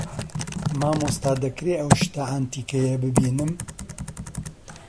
مامۆستا دەکرێ ئەو شتە عەنتیکەیە ببینم؟